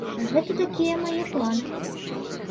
Гэта такія мае планы.